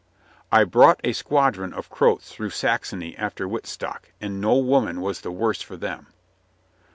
"I brought a squadron of Croats through Saxony after Wittstock, and no woman was the worse for them."